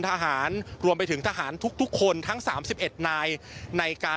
ทหารรวมไปถึงทหารทุกทุกคนทั้งสามสิบเอ็ดนายในการ